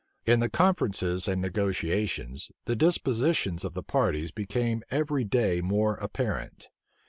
In the conferences and negotiations, the dispositions of the parties became every day more apparent.